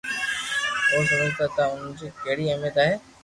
اهو سمجهندا ته ان جي ڪهڙي اهميت آهي،